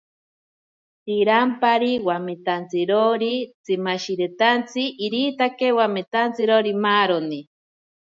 Shirampari wamitantsirori tsimashiritantsi, iritaki wamitantsirori maaroni.